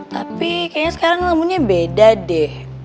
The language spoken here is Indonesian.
tapi kaya sekarang ngelamunnya beda deh